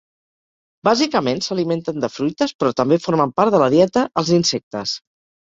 Bàsicament s'alimenten de fruites, però també formen part de la dieta els insectes.